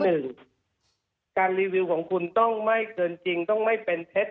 หนึ่งการรีวิวของคุณต้องไม่เกินจริงต้องไม่เป็นเท็จ